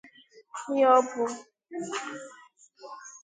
kama na ha achọpụtabeghị onye ọ bụ.